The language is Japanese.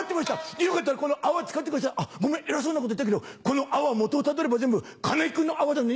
よかったらこの泡使ってくださいごめん偉そうなこと言ったけどこの泡元をたどれば全部金井君の泡だね。